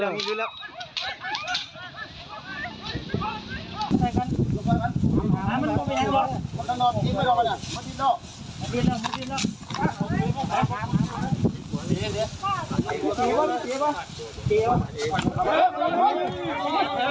ขับใส่กัน